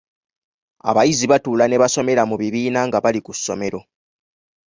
Abayizi batuula ne basomera mu bibiina nga bali ku ssomero.